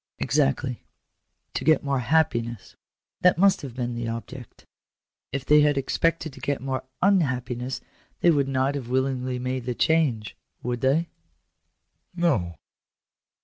" Exactly. To get more happiness : that must have been the object If they had expected to get more ttfthappiness, they would not have willingly made the change, would they ?" "No."